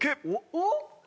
おっ？